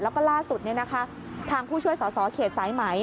แล้วก็ล่าสุดทางผู้ช่วยสอสอเขตสายไหม